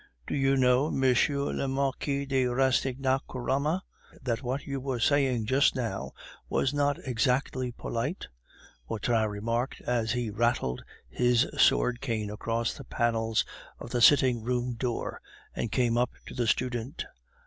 "Do you know, Monsieur le Marquis de Rastignacorama, that what you were saying just now was not exactly polite?" Vautrin remarked, as he rattled his sword cane across the panels of the sitting room door, and came up to the student.